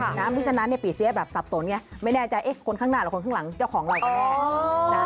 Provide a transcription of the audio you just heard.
เพราะฉะนั้นปีเสียแบบสับสนไงไม่แน่ใจคนข้างหน้าหรือคนข้างหลังเจ้าของเราแน่